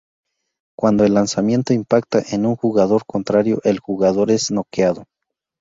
Cuando el lanzamiento impacta en un jugador contrario, el jugador es "noqueado".